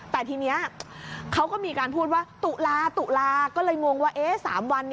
แต่ทีนี้เขาก็มีการพูดว่าตุลาตุลาก็เลยงงว่า๓วัน